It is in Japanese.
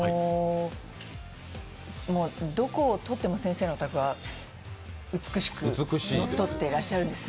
どこをとっても先生のお宅は美しく整ってらっしゃるんですね。